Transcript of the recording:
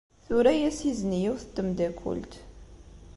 Tura-as izen i yiwet n tmeddakelt.